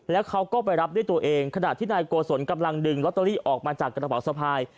แล้วเขาก็ไปรับด้วยตัวเองขณะที่นายโกศลกำลังดึงลอตเตอรี่ออกมาจากกระเป๋าสะพาย